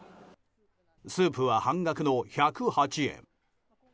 スープは半額の１０８円。